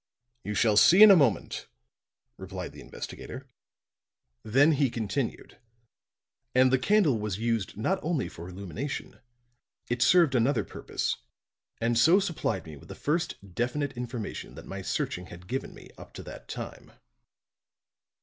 "You shall see in a moment," replied the investigator. Then he continued: "And the candle was used not only for illumination it served another purpose, and so supplied me with the first definite information that my searching had given me up to that time."